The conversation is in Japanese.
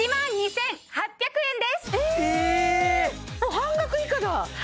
半額以下だ！え！